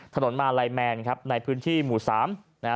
ถนนมาลัยแมนครับในพื้นที่หมู่สามนะฮะ